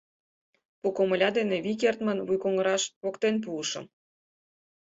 Пу комыля дене вий кертмын вуйкоҥгыраж воктен пуышым.